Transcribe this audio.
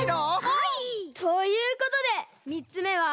はい！ということでみっつめは。